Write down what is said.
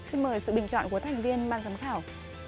xin mời sự bình chọn của thành viên ban giám khảo